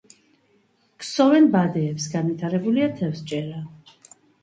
ქსოვენ ბადეებს; განვითარებულია თევზჭერა.